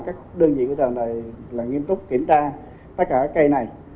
các đơn vị của trường này là nghiêm túc kiểm tra tất cả các cây này